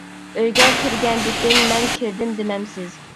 — ئۆيگە كىرگەندىكىن، مەن كىردىم دېمەمسىز.